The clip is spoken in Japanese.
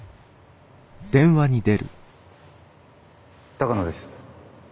鷹野です。